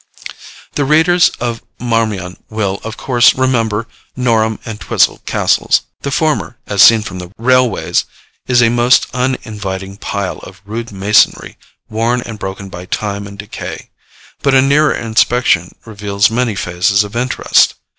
The readers of 'Marmion' will, of course, remember Norham and Twisell castles. The former, as seen, from the railways, is a most uninviting pile of rude masonry, worn and broken by time and decay; but a nearer inspection reveals many phases of interest.